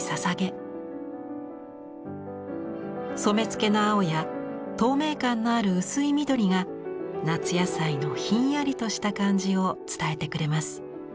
染付の青や透明感のある薄い緑が夏野菜のひんやりとした感じを伝えてくれます。